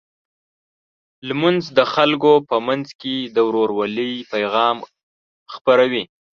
لمونځ د خلکو په منځ کې د ورورولۍ پیغام خپروي.